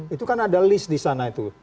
itu kan ada list di sana itu